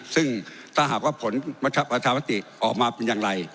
ซึ่งถ้าหากว่าผลประชามติออกมาเป็นอย่างไร